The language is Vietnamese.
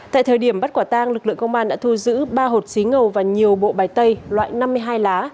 tại thời điểm bắt quả tang lực lượng công an đã thu giữ ba hột xí ngầu và nhiều bộ bài tay loại năm mươi hai lá